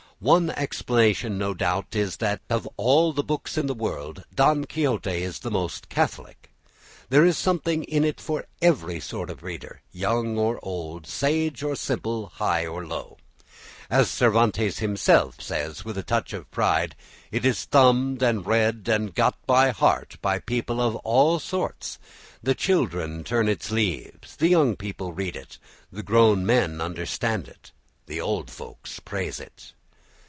One explanation, no doubt, is that of all the books in the world, "Don Quixote" is the most catholic. There is something in it for every sort of reader, young or old, sage or simple, high or low. As Cervantes himself says with a touch of pride, "It is thumbed and read and got by heart by people of all sorts; the children turn its leaves, the young people read it, the grown men understand it, the old folk praise it."